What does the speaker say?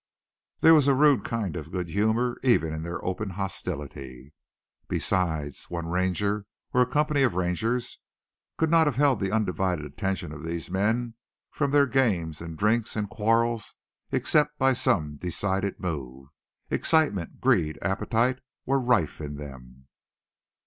There was a rude kind of good humor even in their open hostility. Besides, one Ranger, or a company of Rangers could not have held the undivided attention of these men from their games and drinks and quarrels except by some decided move. Excitement, greed, appetite were rife in them.